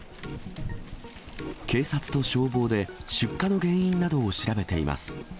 警察と消防で出火の原因などを調べています。